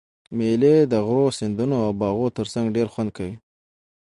مېلې د غرو، سیندو او باغو ترڅنګ ډېر خوند کوي.